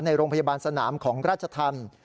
โรงพยาบาลสนามของราชธรรม